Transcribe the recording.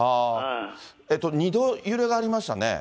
２度揺れがありましたね。